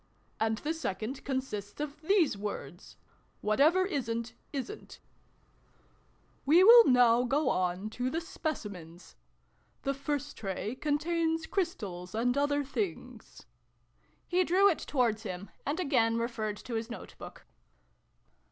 And the Second consists of these words, ' Whatever isrit, isrit? We will 332 SYLVIE AND BRUNO CONCLUDED. now go on to the Specimens. The first tray contains Crystals and other Things." He drew it towards him, and again referred to his note book.